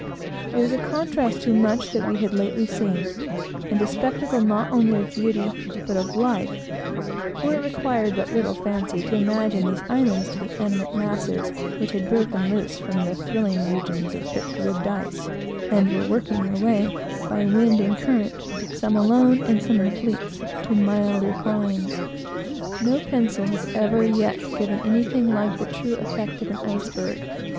It was a contrast to much that we had lately seen, and a spectacle not only of beauty, but of life; for it required but little fancy to imagine these islands to be animate masses which had broken loose from the "thrilling regions of thick ribbed ice," and were working their way, by wind and current, some alone, and some in fleets, to milder climes. No pencil has ever yet given anything like the true effect of an iceberg.